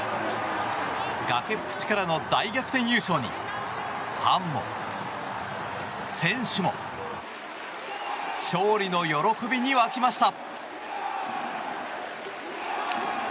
崖っぷちからの大逆転優勝にファンも、選手も勝利の喜びに沸きました。